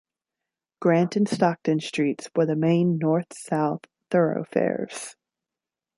Grant and Stockton streets were the main north-south thoroughfares.